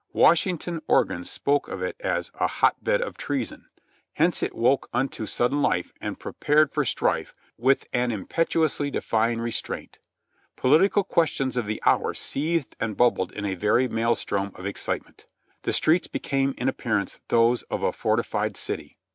Washington organs spoke of it as "a hot bed of treason," hence it woke into THE PROMPTER S BELL 1 7 sudden life and prepared for strife with an impetuosit} defj ing restraint. Political questions of the hour seethed and bubbled in a very maelstrom of excitement ; the streets became in appearance those of a fortified city.